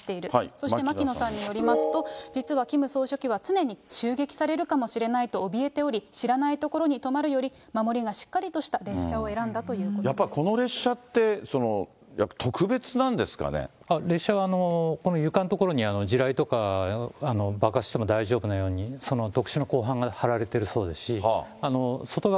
そして牧野さんによりますと、実はキム総書記は、常に襲撃されるかもしれないとおびえており、知らない所に泊まるより、守がしっかりとした列車を選んだというやっぱりこの列車って、特別列車は、この床の所に地雷とか、爆発しても大丈夫なようにその特殊な鋼板が張られているそうです